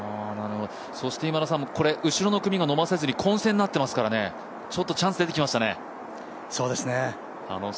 そして後ろの組が伸ばせずに混戦になってきましたからね、ちょっとチャンス、出てきましたね、楽しみ。